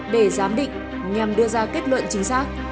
để giám định nhằm đưa ra kết luận chính xác